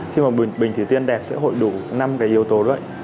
khi mà bỉnh thủy tiên đẹp sẽ hội đủ năm cái yếu tố đấy